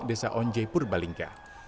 desa onje purbalingka